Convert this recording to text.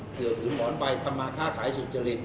ถือหมอนไปทำมาค้าขายสุจริต